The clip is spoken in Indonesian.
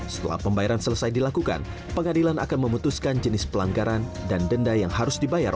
setelah pembayaran selesai dilakukan pengadilan akan memutuskan jenis pelanggaran dan denda yang harus dibayar